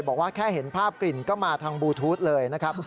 บอกว่าแค่เห็นภาพกลิ่นก็มาทางบลูทูธเลยนะครับ